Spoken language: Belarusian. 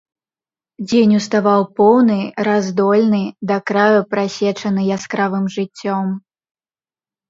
Дзень уставаў поўны, раздольны, да краю прасечаны яскравым жыццём.